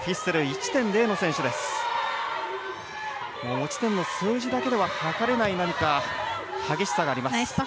持ち点の数字だけでははかれない激しさがあります。